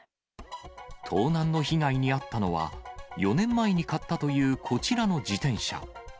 盗難の被害に遭ったのは、４年前に買ったというこちらの自転車。